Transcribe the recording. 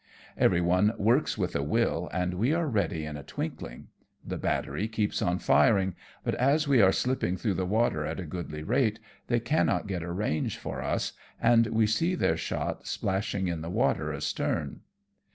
Everyone works with a will, and we are ready in a twinkling. The battery keeps on firing; but as we are slipping through the water at a goodly rate, they cannot get a range for us, and we see their shot splash ing in the water astern.